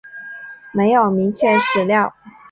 没有明确史料